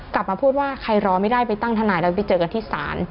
กลับมาพูดว่าใครรอไม่ได้ไปตั้งทนายแล้วไปเจอกันที่ศาล